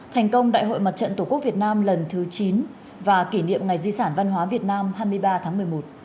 thành công đại hội mặt trận tổ quốc việt nam lần thứ chín và kỷ niệm ngày di sản văn hóa việt nam hai mươi ba tháng một mươi một